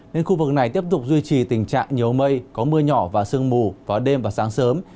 nên khu vực này tiếp tục duy trì tình trạng nhiều mây có mưa nhỏ và sương mù vào đêm và sáng sớm